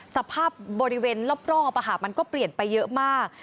สภาพบริเวณรอบมันก็เปลี่ยนไปเยอะมาก